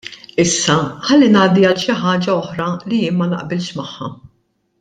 Issa ħalli ngħaddi għal xi ħaġa oħra li jien ma naqbilx magħha.